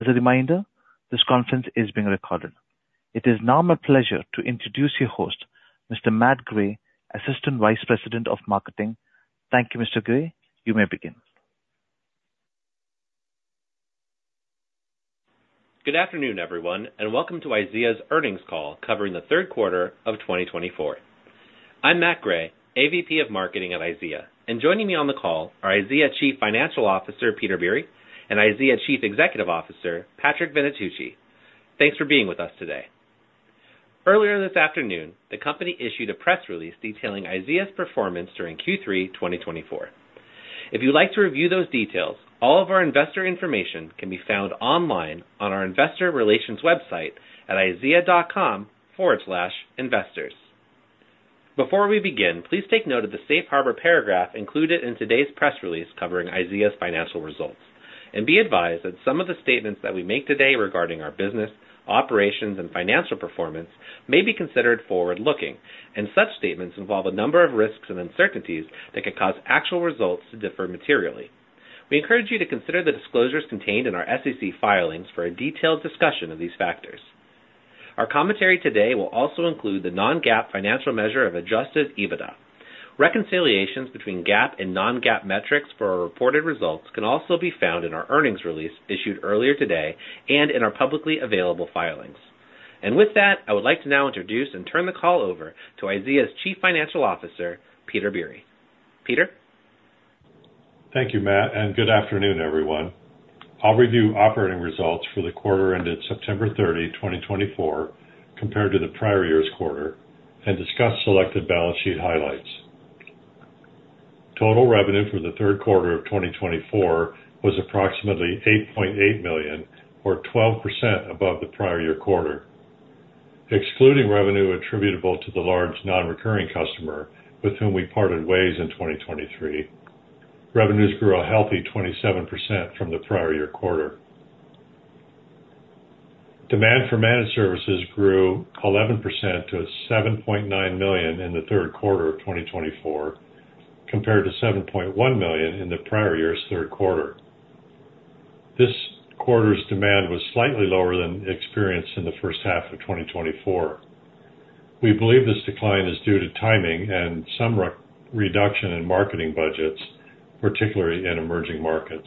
As a reminder, this conference is being recorded. It is now my pleasure to introduce your host, Mr. Matt Gray, Assistant Vice President of Marketing. Thank you, Mr. Gray. You may begin. Good afternoon, everyone, and welcome to IZEA's earnings call covering the third quarter of 2024. I'm Matt Gray, AVP of Marketing at IZEA, and joining me on the call are IZEA Chief Financial Officer Peter Biere and IZEA Chief Executive Officer Patrick Venetucci. Thanks for being with us today. Earlier this afternoon, the company issued a press release detailing IZEA's performance during Q3 2024. If you'd like to review those details, all of our investor information can be found online on our investor relations website at izea.com/investors. Before we begin, please take note of the safe harbor paragraph included in today's press release covering IZEA's financial results, and be advised that some of the statements that we make today regarding our business, operations, and financial performance may be considered forward-looking, and such statements involve a number of risks and uncertainties that could cause actual results to differ materially. We encourage you to consider the disclosures contained in our SEC filings for a detailed discussion of these factors. Our commentary today will also include the Non-GAAP financial measure of adjusted EBITDA. Reconciliations between GAAP and Non-GAAP metrics for our reported results can also be found in our earnings release issued earlier today and in our publicly available filings, and with that, I would like to now introduce and turn the call over to IZEA's Chief Financial Officer, Peter Biere. Peter. Thank you, Matt, and good afternoon, everyone. I'll review operating results for the quarter ended September 30, 2024, compared to the prior year's quarter, and discuss selected balance sheet highlights. Total revenue for the third quarter of 2024 was approximately $8.8 million, or 12% above the prior year quarter. Excluding revenue attributable to the large non-recurring customer with whom we parted ways in 2023, revenues grew a healthy 27% from the prior year quarter. Demand for Managed Services grew 11% to $7.9 million in the third quarter of 2024, compared to $7.1 million in the prior year's third quarter. This quarter's demand was slightly lower than experienced in the first half of 2024. We believe this decline is due to timing and some reduction in marketing budgets, particularly in emerging markets.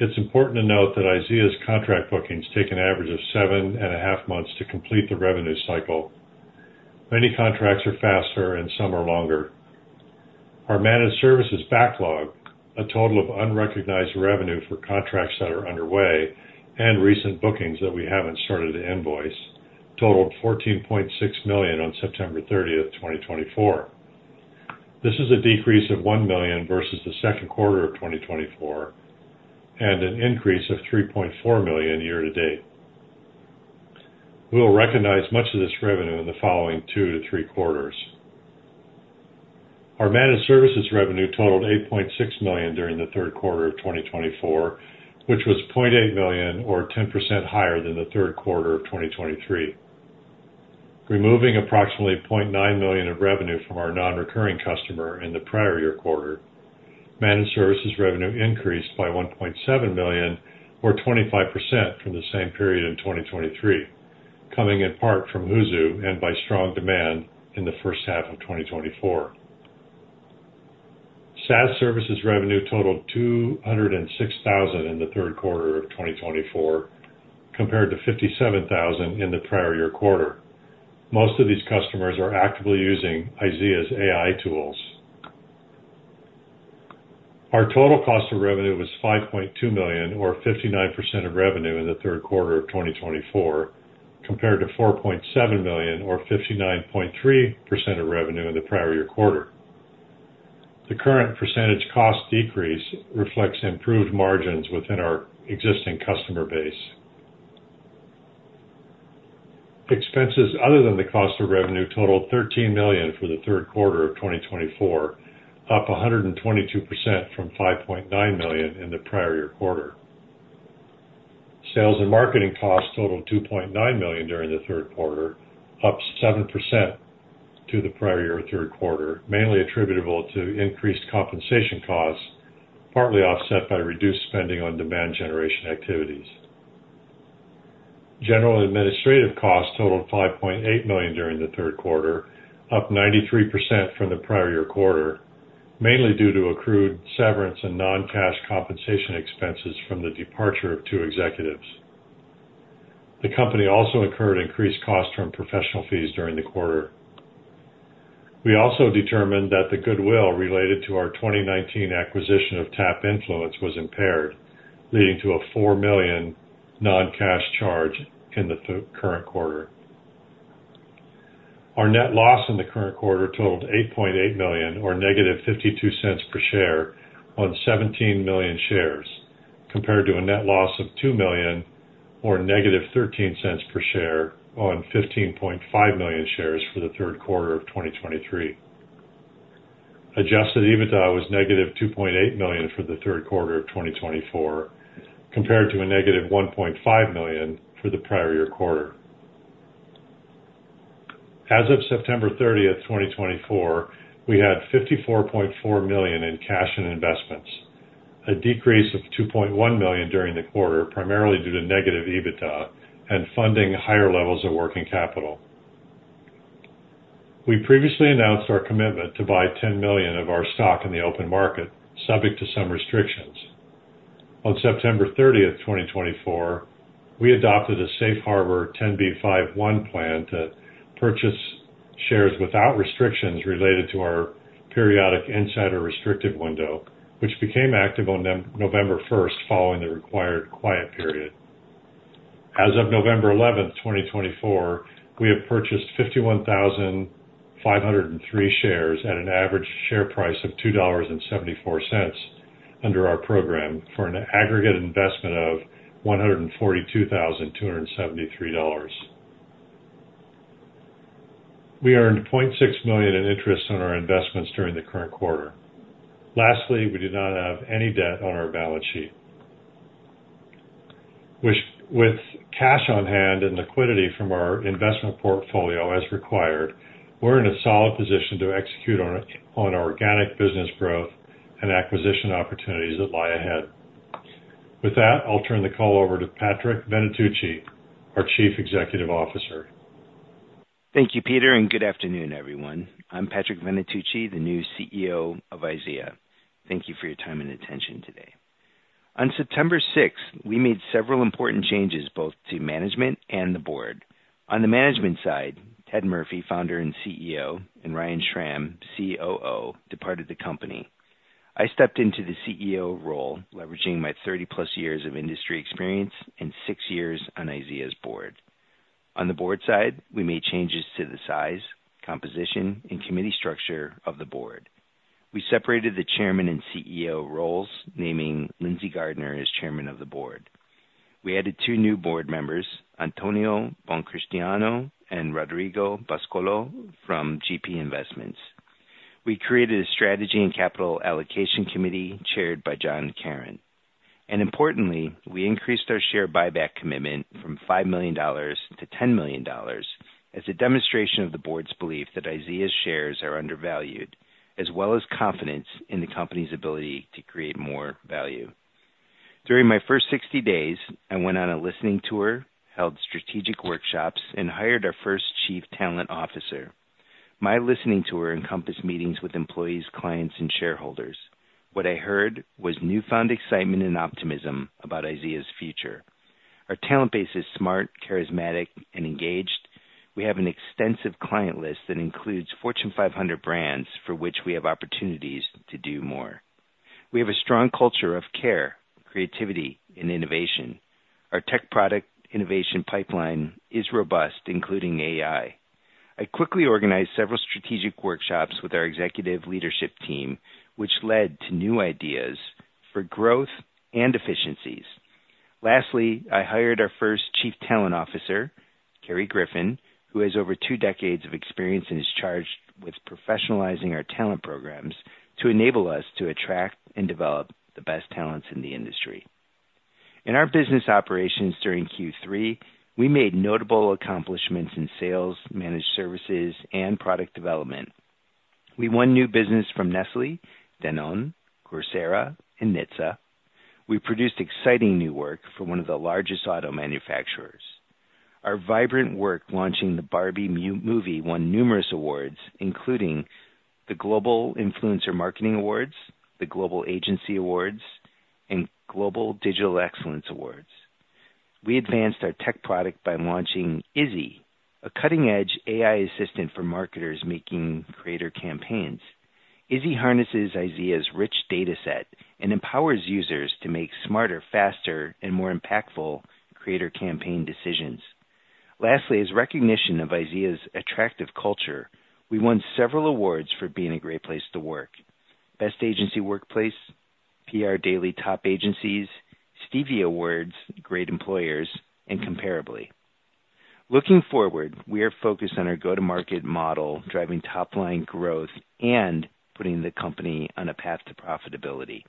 It's important to note that IZEA's contract bookings take an average of seven and a half months to complete the revenue cycle. Many contracts are faster, and some are longer. Our Managed Services backlog, a total of unrecognized revenue for contracts that are underway and recent bookings that we haven't started to invoice, totaled $14.6 million on September 30, 2024. This is a decrease of $1 million versus the second quarter of 2024, and an increase of $3.4 million year to date. We will recognize much of this revenue in the following two to three quarters. Our Managed Services revenue totaled $8.6 million during the third quarter of 2024, which was $0.8 million, or 10% higher than the third quarter of 2023. Removing approximately $0.9 million of revenue from our non-recurring customer in the prior year quarter, Managed Services revenue increased by $1.7 million, or 25% from the same period in 2023, coming in part from Hoozu and by strong demand in the first half of 2024. SaaS services revenue totaled $206,000 in the third quarter of 2024, compared to $57,000 in the prior year quarter. Most of these customers are actively using IZEA's AI tools. Our total cost of revenue was $5.2 million, or 59% of revenue in the third quarter of 2024, compared to $4.7 million, or 59.3% of revenue in the prior year quarter. The current percentage cost decrease reflects improved margins within our existing customer base. Expenses other than the cost of revenue totaled $13 million for the third quarter of 2024, up 122% from $5.9 million in the prior year quarter. Sales and marketing costs totaled $2.9 million during the third quarter, up 7% to the prior year third quarter, mainly attributable to increased compensation costs, partly offset by reduced spending on demand generation activities. General administrative costs totaled $5.8 million during the third quarter, up 93% from the prior year quarter, mainly due to accrued severance and non-cash compensation expenses from the departure of two executives. The company also incurred increased costs from professional fees during the quarter. We also determined that the goodwill related to our 2019 acquisition of TapInfluence was impaired, leading to a $4 million non-cash charge in the current quarter. Our net loss in the current quarter totaled $8.8 million, or negative $0.52 per share on 17 million shares, compared to a net loss of $2 million, or negative $0.13 per share on 15.5 million shares for the third quarter of 2023. Adjusted EBITDA was negative $2.8 million for the third quarter of 2024, compared to a negative $1.5 million for the prior year quarter. As of September 30, 2024, we had $54.4 million in cash and investments, a decrease of $2.1 million during the quarter, primarily due to negative EBITDA and funding higher levels of working capital. We previously announced our commitment to buy $10 million of our stock in the open market, subject to some restrictions. On September 30, 2024, we adopted a safe harbor 10b5-1 plan to purchase shares without restrictions related to our periodic insider restrictive window, which became active on November 1st following the required quiet period. As of November 11, 2024, we have purchased 51,503 shares at an average share price of $2.74 under our program for an aggregate investment of $142,273. We earned $0.6 million in interest on our investments during the current quarter. Lastly, we do not have any debt on our balance sheet. With cash on hand and liquidity from our investment portfolio as required, we're in a solid position to execute on organic business growth and acquisition opportunities that lie ahead. With that, I'll turn the call over to Patrick Venetucci, our Chief Executive Officer. Thank you, Peter, and good afternoon, everyone. I'm Patrick Venetucci, the new CEO of IZEA. Thank you for your time and attention today. On September 6, we made several important changes both to management and the board. On the management side, Ted Murphy, founder and CEO, and Ryan Schram, COO, departed the company. I stepped into the CEO role, leveraging my 30-plus years of industry experience and six years on IZEA's board. On the board side, we made changes to the size, composition, and committee structure of the board. We separated the chairman and CEO roles, naming Lindsay Gardner as Chairman of the Board. We added two new board members, Antonio Bonchristiano and Rodrigo Boscolo, from GP Investments. We created a strategy and capital allocation committee chaired by John Caron. Importantly, we increased our share buyback commitment from $5 million-$10 million as a demonstration of the board's belief that IZEA's shares are undervalued, as well as confidence in the company's ability to create more value. During my first 60 days, I went on a listening tour, held strategic workshops, and hired our first Chief Talent Officer. My listening tour encompassed meetings with employees, clients, and shareholders. What I heard was newfound excitement and optimism about IZEA's future. Our talent base is smart, charismatic, and engaged. We have an extensive client list that includes Fortune 500 brands for which we have opportunities to do more. We have a strong culture of care, creativity, and innovation. Our tech product innovation pipeline is robust, including AI. I quickly organized several strategic workshops with our executive leadership team, which led to new ideas for growth and efficiencies. Lastly, I hired our first Chief Talent Officer, Kerry Griffin, who has over two decades of experience and is charged with professionalizing our talent programs to enable us to attract and develop the best talents in the industry. In our business operations during Q3, we made notable accomplishments in sales, managed services, and product development. We won new business from Nestlé, Danone, Coursera, and NHTSA. We produced exciting new work for one of the largest auto manufacturers. Our vibrant work launching the Barbie movie won numerous awards, including the Global Influencer Marketing Awards, the Global Agency Awards, and Global Digital Excellence Awards. We advanced our tech product by launching IZZY, a cutting-edge AI assistant for marketers making creator campaigns. IZZY harnesses IZEA's rich dataset and empowers users to make smarter, faster, and more impactful creator campaign decisions. Lastly, as recognition of IZEA's attractive culture, we won several awards for being a great place to work: Best Agency Workplace, PR Daily Top Agencies, Stevie Awards, Great Employers, and Comparably. Looking forward, we are focused on our go-to-market model, driving top-line growth, and putting the company on a path to profitability.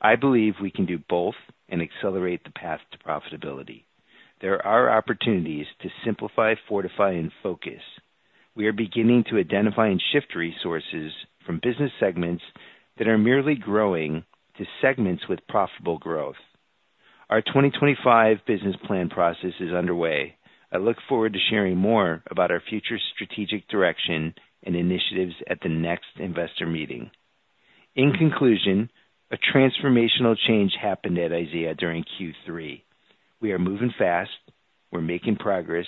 I believe we can do both and accelerate the path to profitability. There are opportunities to simplify, fortify, and focus. We are beginning to identify and shift resources from business segments that are merely growing to segments with profitable growth. Our 2025 business plan process is underway. I look forward to sharing more about our future strategic direction and initiatives at the next investor meeting. In conclusion, a transformational change happened at IZEA during Q3. We are moving fast. We're making progress.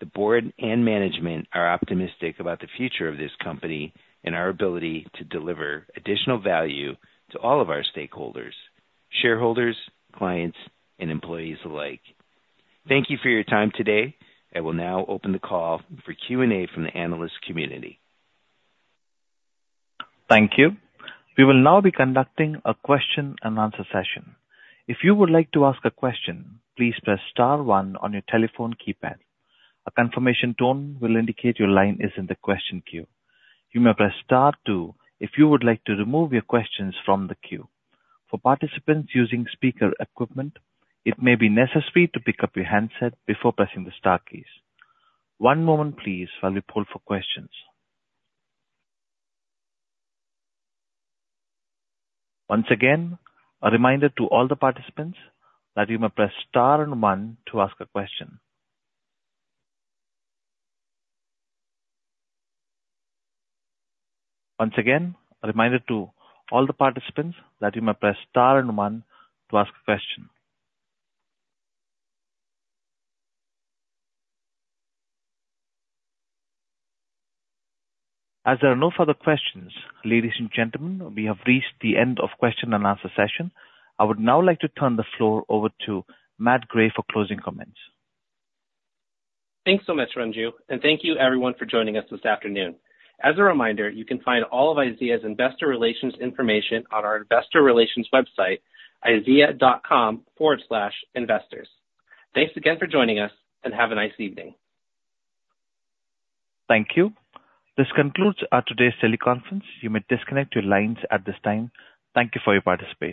The board and management are optimistic about the future of this company and our ability to deliver additional value to all of our stakeholders: shareholders, clients, and employees alike. Thank you for your time today. I will now open the call for Q&A from the analyst community. Thank you. We will now be conducting a question-and-answer session. If you would like to ask a question, please press star one on your telephone keypad. A confirmation tone will indicate your line is in the question queue. You may press star two if you would like to remove your questions from the queue. For participants using speaker equipment, it may be necessary to pick up your handset before pressing the star keys. One moment, please, while we pull for questions. Once again, a reminder to all the participants that you may press star and one to ask a question. Once again, a reminder to all the participants that you may press star and one to ask a question. As there are no further questions, ladies and gentlemen, we have reached the end of the question-and-answer session. I would now like to turn the floor over to Matt Gray for closing comments. Thanks so much, Ranju, and thank you, everyone, for joining us this afternoon. As a reminder, you can find all of IZEA's investor relations information on our investor relations website, izea.com/investors. Thanks again for joining us, and have a nice evening. Thank you. This concludes our today's teleconference. You may disconnect your lines at this time. Thank you for your participation.